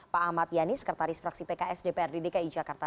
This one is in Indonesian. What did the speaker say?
pak ahmad yani sekretaris fraksi pks dprd dki jakarta